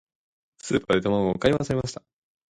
スーパーで卵を買い忘れました。